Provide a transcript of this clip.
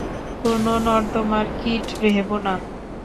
কোন নর্দমার কীট ভেবো না।